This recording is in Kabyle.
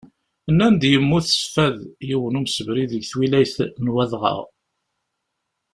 Nnan-d yemmut s fad yiwen umsebrid deg twilayt n Wadɣaɣ.